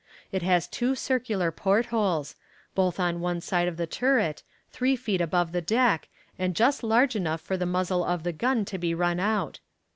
It has two circular port holes, both on one side of the turret, three feet above the deck, and just large enough for the muzzle of the gun to be run out.